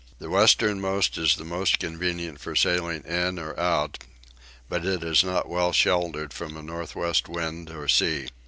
The westernmost is the most convenient for sailing in or out but is not well sheltered from a north west wind or sea.